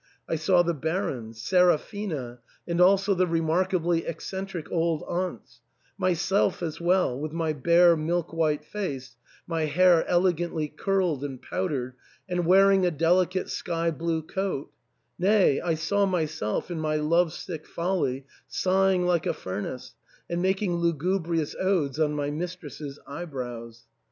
I saw the Baron — 3^ THE ENTAIL. Seraphina — and also the remarkably eccentric old aunts — myself as well, with my bare milk white face, my hair elegantly curled and powdered, and wearing a delicate sky blue coat — nay, I saw myself in my love sick folly, sighing like a furnace, and making lugubrious odes on my mistress's eyebrows.